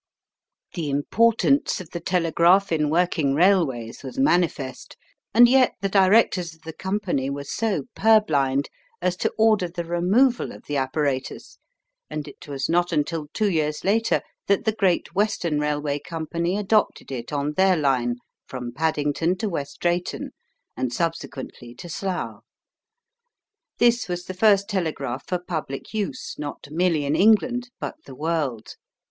The importance of the telegraph in working railways was manifest, and yet the directors of the company were so purblind as to order the removal of the apparatus, and it was not until two years later that the Great Western Railway Company adopted it on their line from Paddington to West Drayton, and subsequently to Slough. This was the first telegraph for public use, not merely in England, but the world.